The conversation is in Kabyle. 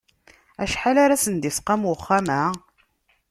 Acḥal ara sen-d-isqam uxxam-a?